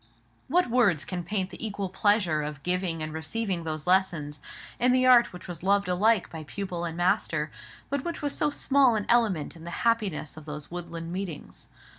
What words can paint the equal pleasure of giving and receiving those lessons, in the art which was loved alike by pupil and master; but which was so small an element in the happiness of those woodland meetings?